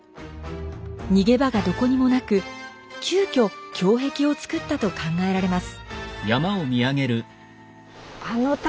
逃げ場がどこにもなく急遽胸壁を造ったと考えられます。